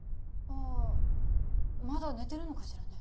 あぁまだ寝てるのかしらね？